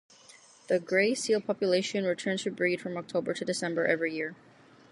The grey seal population return to breed from October to December every year.